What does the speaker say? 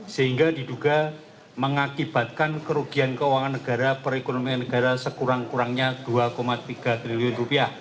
sehingga diduga mengakibatkan kerugian keuangan negara perekonomian negara sekurang kurangnya rp dua tiga triliun